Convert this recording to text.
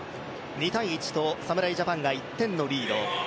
２−１と侍ジャパンが１点のリード。